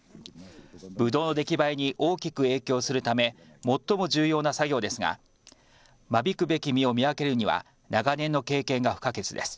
ぶどうの出来栄えに大きく影響するため最も重要な作業ですが間引くべき実を見分けるには長年の経験が不可欠です。